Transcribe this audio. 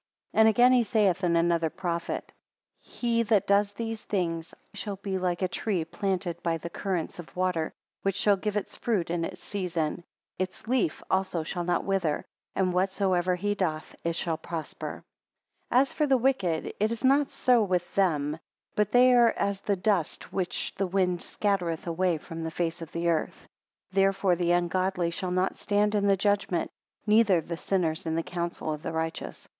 7 And again he saith in another prophet: He that does these things; I shall be like a tree planted by the currents of water, which shall give its fruit in its season. Its leaf also shall not wither, and whatsoever he doth it shall prosper. 8 As for the wicked it is not so with them; but they are as the dust which the wind scattereth away from the face of the earth. 9 Therefore the ungodly shall not stand in the judgment, neither the sinners in the council of the righteous.